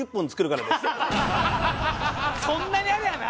そんなにありゃな。